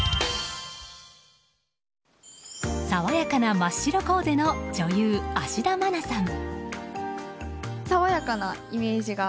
爽やかな真っ白コーデの女優・芦田愛菜さん。